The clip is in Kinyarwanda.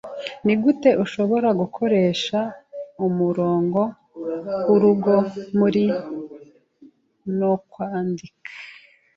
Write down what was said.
Nigute ushoora gukoresha umurongo wurugo muri nokwandika